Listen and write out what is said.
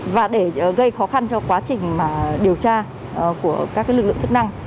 và để gây khó khăn cho quá trình điều tra của các lực lượng chức năng